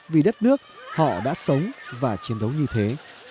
vì đất nước họ đã sống và chiến đấu như thế